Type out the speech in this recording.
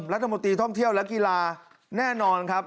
รัฐมนตรีท่องเที่ยวและกีฬาแน่นอนครับ